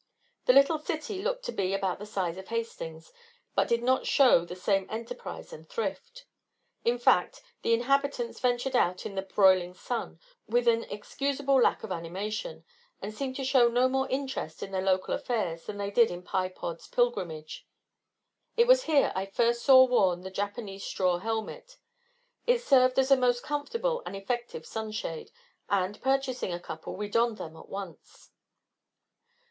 The little city looked to be about the size of Hastings, but did not show the same enterprise and thrift. In fact, the inhabitants ventured out in the broiling sun with an excusable lack of animation, and seemer to show no more interest in their local affairs than they did in Pye Pod's pilgrimage. It was here I first saw worn the Japanese straw helmet. It served as a most comfortable and effective sun shade, and purchasing a couple, we donned them at once.